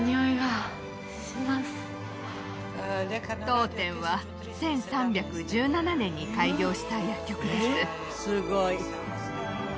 当店は１３１７年に開業した薬局です